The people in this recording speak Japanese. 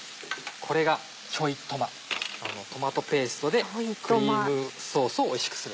これがちょいトマトマトペーストでクリームソースをおいしくする。